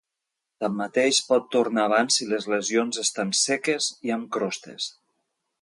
Tanmateix, pot tornar abans si les lesions estan seques i amb crostes.